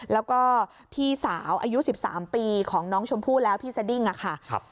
แล้วก็พี่สาวอายุสิบสามปีของน้องชมพู่แล้วพี่สดิ้งอ่ะค่ะครับ